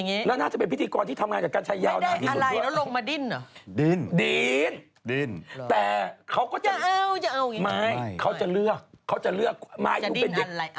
น่าจะมีพิธีกรที่ทำร่ายกับกัญชัยไม่ได้อะไรแล้วลงมาดิ้น